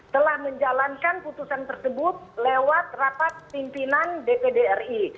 telah menjalankan putusan tersebut lewat rapat pimpinan dpd ri